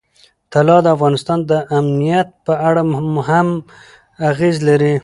طلا د افغانستان د امنیت په اړه هم اغېز لري.